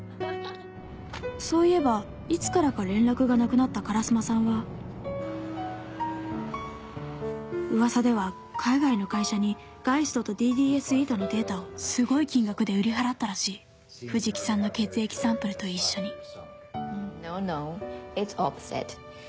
そういえばいつからか連絡がなくなった烏丸さんはうわさでは海外の会社にガイストとＤＤＳηのデータをすごい金額で売り払ったらしい藤木さんの血液サンプルと一緒にＮｏｎｏ，ｉｔ